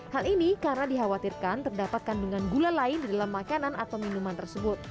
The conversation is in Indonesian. hal ini karena dikhawatirkan terdapat kandungan gula lain di dalam makanan atau minuman tersebut